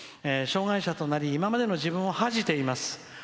障害者となり今までの自分を恥じています。